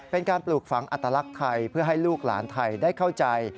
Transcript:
เป็นการปลูกฝังอัตลักษณ์ไทยเพื่อให้ลูกหลานไทยได้เข้าใจ